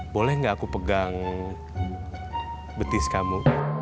boleh nggak aku pegang betis kamu